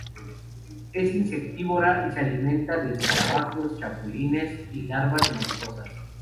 Es insectívora y se alimenta de escarabajos, chapulines y larvas de mariposas.